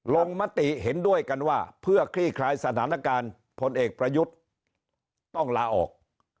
มติเห็นด้วยกันว่าเพื่อคลี่คลายสถานการณ์พลเอกประยุทธ์ต้องลาออก